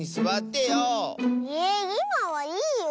いまはいいよ。